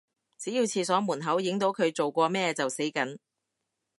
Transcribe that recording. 只要廁所門口影到佢做過咩就死梗